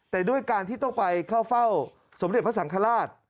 แต่ด้วยการที่ต้องไปเข้าเฝ้าสมเด็จพระสังฆราช